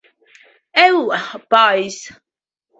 Eww, boys.